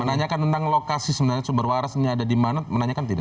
menanyakan tentang lokasi sebenarnya sumber waras ini ada di mana menanyakan tidak